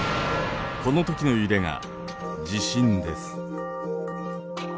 この時の揺れが地震です。